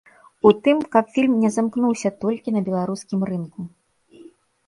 У тым, каб фільм не замкнуўся толькі на беларускім рынку.